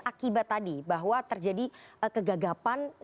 akibat tadi bahwa terjadi kegagapan